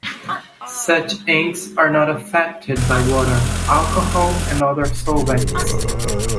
Such inks are not affected by water, alcohol, and other solvents.